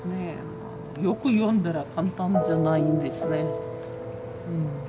よく読んだら簡単じゃないんですね。